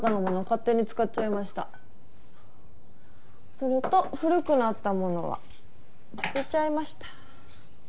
それと古くなったものは捨てちゃいました。